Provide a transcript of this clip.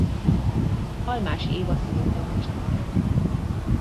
Almási Éva színésznő testvére.